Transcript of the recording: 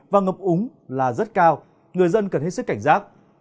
và ngập úng là rất cao người dân cần hết sức cảnh giác